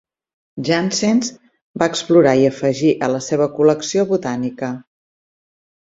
Janssens va explorar i afegir a la seva col·lecció botànica.